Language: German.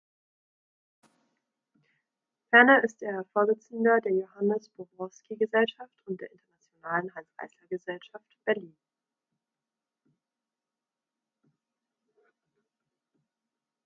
Ferner ist er Vorsitzender der Johannes-Bobrowski-Gesellschaft und der Internationalen Hanns Eisler Gesellschaft, Berlin.